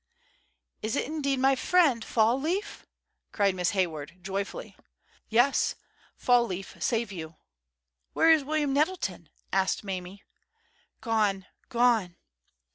"Is it indeed my friend Fall leaf?" cried Miss Hayward, joyfully. "Yes; Fall leaf save you!" "Where is William Nettleton?" asked Mamie. "Gone—gone!"